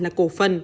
là cổ phần